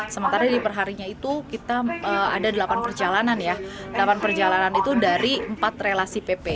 sementara dari perharinya itu kita ada delapan perjalanan ya delapan perjalanan itu dari empat relasi pp